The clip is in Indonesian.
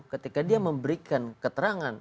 ketika dia memberikan keterangan